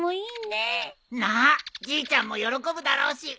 じいちゃんも喜ぶだろうし。